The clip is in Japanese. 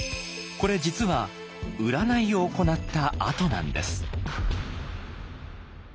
これ実は占いを行った跡なんです。